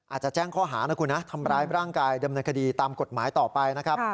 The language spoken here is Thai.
อาจจะแจ้งข้อหานะคุณนะทำร้ายร่างกายดำเนินคดีตามกฎหมายต่อไปนะครับ